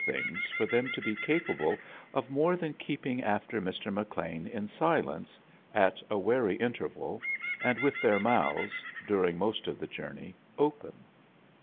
things for them to be capable of more F than keeping after Mr. McLean in silence, ^ at a wary interval, and with their mouths, T during most of the journey, open.